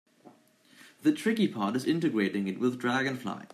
The tricky part is integrating it with Dragonfly.